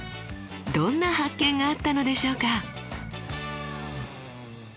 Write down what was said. どんな発見があったのでしょうか。